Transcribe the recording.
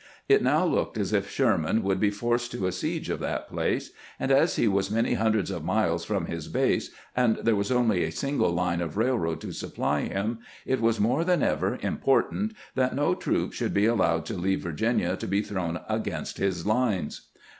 It now looked as if Sher man would be forced to a siege of that place ; and as he was many hundreds of miles from his base, and there was only a single line of railroad to supply him, it was more than ever important that no troops should be al lowed to leave Virginia to be thrown against his lines.